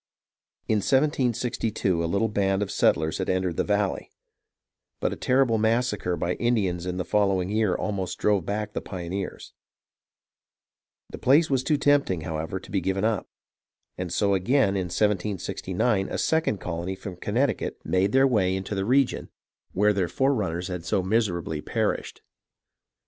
In 1762 a little band of settlers had entered the valley; but a terrible massacre by the Indians in the following year almost drove back the pioneers. The place was too tempting, however, to be given up; and so again, in 1769, a second colony from Connecticut made their way into the SULLIVAN'S EXPEDITION 2$ I region where their forerunners had so miserably perished.